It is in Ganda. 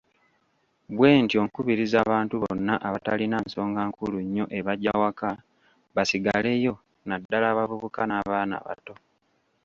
Bwentyo nkubiriza abantu bonna abatalina nsonga nkulu nnyo ebaggya waka, basigaleyo, naddala abavubuka n'abaana abato.